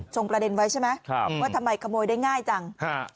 ประเด็นไว้ใช่ไหมครับว่าทำไมขโมยได้ง่ายจัง